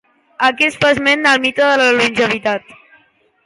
A què fa esment el mite de la longevitat?